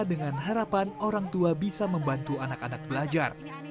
dengan harapan orang tua bisa membantu anak anak belajar